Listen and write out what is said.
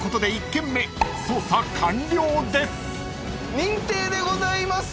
認定でございます！